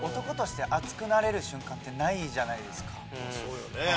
そうよね